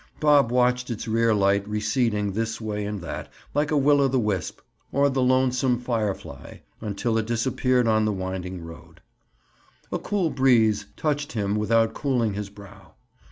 Bob watched its rear light receding this way and that, like a will o' the wisp, or a lonesome firefly, until it disappeared on the winding road. A cool breeze touched him without cooling his brow.